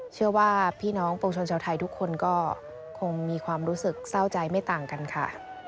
เชื่อว่าพี่น้องปวงชนชาวไทยทุกคนก็คงมีความรู้สึกเศร้าใจไม่ต่างกันค่ะ